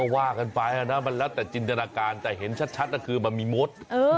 วากันไปนะมันละตัดจินตรการแต่เห็นชัดอะคือมายมีโมซ